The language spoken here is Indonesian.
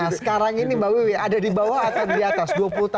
nah sekarang ini pak bibi ada dibawah atau diatas